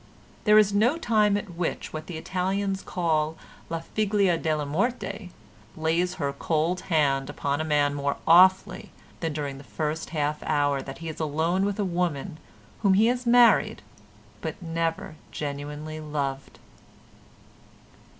There is no time at which what the Italians call la figlia della Morte lays her cold hand upon a man more awfully than during the first half hour that he is alone with a woman whom he has married but never genuinely loved.